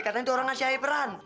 katanya itu orang ngasih ae peran